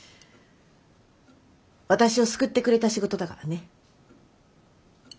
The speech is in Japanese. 私を救ってくれた仕事だからね。